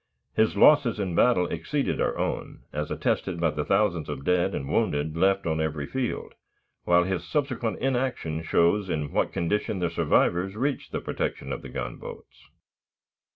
His losses in battle exceeded our own, as attested by the thousands of dead and wounded left on every field, while his subsequent inaction shows in what condition the survivors reached the protection of the gunboats.